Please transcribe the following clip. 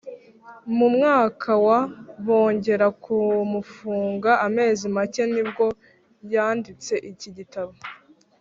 Mu mwaka wa , bongera kumufunga amezi make nibwo yanditse iki gitabo